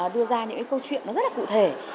đưa ra những câu chuyện rất cụ thể